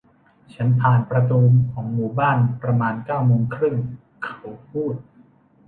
ฉันผ่านประตูของหมู่บ้านประมาณเก้าโมงครึ่ง เขาพูด